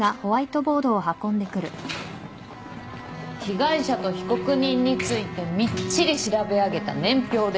被害者と被告人についてみっちり調べ上げた年表です。